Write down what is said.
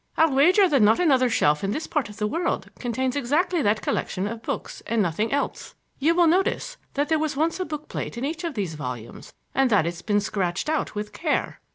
"I'll wager that not another shelf in this part of the world contains exactly that collection of books, and nothing else. You will notice that there was once a book plate in each of these volumes and that it's been scratched out with care."